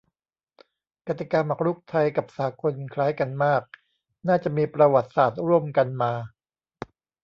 กติกาหมากรุกไทยกับสากลคล้ายกันมาก น่าจะมีประวัติศาสตร์ร่วมกันมา